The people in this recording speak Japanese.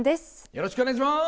よろしくお願いします！